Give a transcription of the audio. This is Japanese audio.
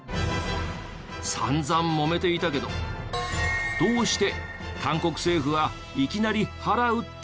散々もめていたけどどうして韓国政府はいきなり払うって言い出したの？